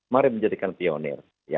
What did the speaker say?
mari menjadikan pionir